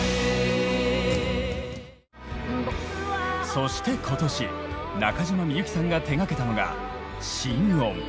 そして今年中島みゆきさんが手がけたのが「心音」。